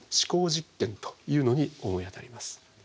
実験というのに思い当たります。